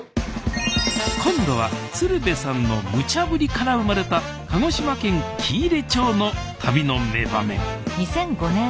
今度は鶴瓶さんのむちゃぶりから生まれた鹿児島県喜入町の旅の名場面。